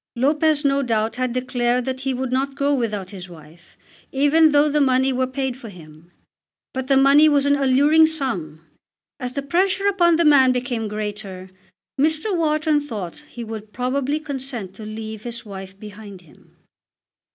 Lopez no doubt had declared that he would not go without his wife, even though the money were paid for him. But the money was an alluring sum! As the pressure upon the man became greater, Mr. Wharton thought he would probably consent to leave his wife behind him.